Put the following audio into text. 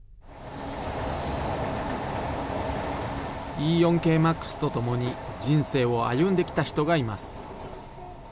Ｅ４系Ｍａｘとともに人生を歩んできた人がいます。